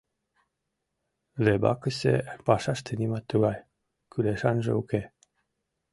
— Лебакысе пашаште нимат тугай кӱлешанже уке.